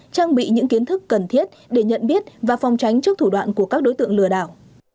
trang bị những kiến thức cần thiết để nhận biết và phòng tránh trước thủ đoạn của các đối tượng lừa đảo